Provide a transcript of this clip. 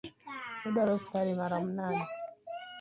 Iduaro sukari maromo nade?